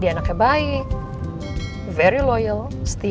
dan saya sudah sayang sama kiki seperti keluarga sendiri